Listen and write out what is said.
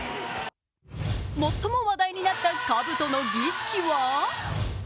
最も話題になったかぶとの儀式は？